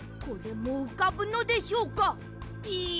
これもうかぶのでしょうか？